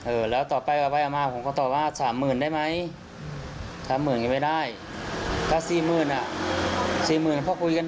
เออแล้วต่อไปเอาไปมาผมก็ตอบว่าสามหมื่นได้ไหมสามหมื่นยังไม่ได้ก็สี่หมื่นอ่ะสี่หมื่นพ่อคุยกัน